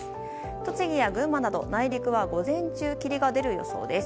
栃木や群馬など内陸は午前中、霧が出る予想です。